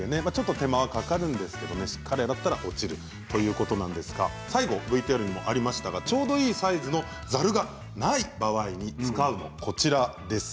手間がかかりますがしっかり洗えば落ちるということで、最後、ＶＴＲにありましたがちょうどいいサイズのざるがない場合に使うのはこちら。